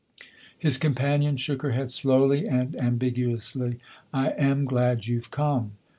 His companion shook her head slowly and am biguously. " I am glad you've come."